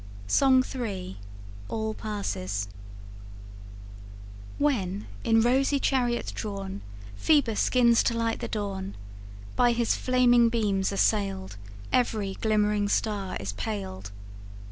SONG III. ALL PASSES. When, in rosy chariot drawn, Phoebus 'gins to light the dawn, By his flaming beams assailed, Every glimmering star is paled.